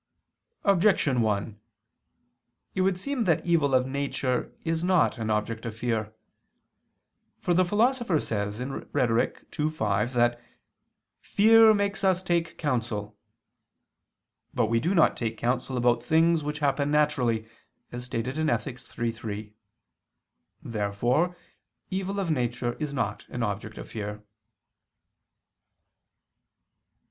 Objection 1: It would seem that evil of nature is not an object of fear. For the Philosopher says (Rhet. ii, 5) that "fear makes us take counsel." But we do not take counsel about things which happen naturally, as stated in Ethic. iii, 3. Therefore evil of nature is not an object of fear. Obj.